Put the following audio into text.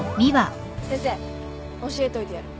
先生教えといてやる。